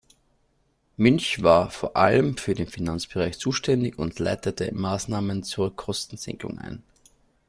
Münch war vor allem für den Finanzbereich zuständig und leitete Maßnahmen zur Kostensenkung ein.